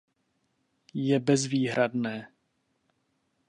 Je bezvýhradné.